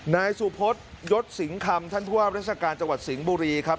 นายสุพศยศสิงคำท่านผู้ว่าราชการจังหวัดสิงห์บุรีครับ